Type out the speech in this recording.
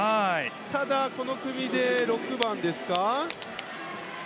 ただ、この組で６番ですかね。